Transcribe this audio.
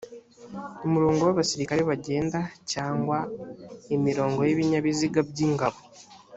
umurongo w abasirikare bagenda cyangwa imirongo y ibinyabiziga by ingabo